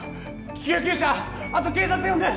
救急車後警察呼んで。